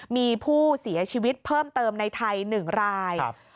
มีผู้เสียชีวิตเพิ่มเติมในไทย๑ราย